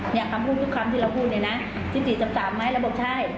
เนี่ยคำพูดที่เราพูดเนี่ยนะสิบสี่จับสามไหมแล้วบอกใช่